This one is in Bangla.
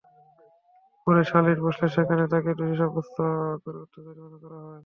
পরে সালিস বসলে সেখানে তাঁকে দোষী সাব্যস্ত করে অর্থ জরিমানা করা হয়।